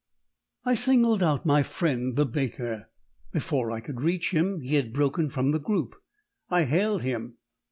I singled out my friend the baker. Before I could reach him he had broken from the group. I hailed him.